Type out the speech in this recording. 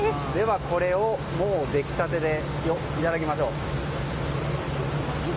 これを、できたてでいただきましょう。